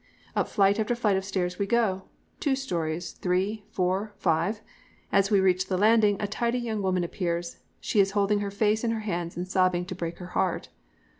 "Up flight after flight of stairs we go; two storeys, three, four, five. As we reach the landing, a tidy young woman appears. She is holding her face in her hands and sobbing to break her heart.